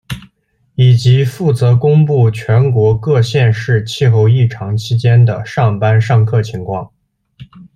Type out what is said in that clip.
以及负责公布全国各县市气候异常期间的上班上课情况。